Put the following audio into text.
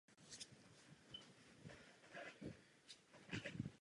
V průběhu Českého stavovského povstání zůstaly Budějovice věrné Habsburkům.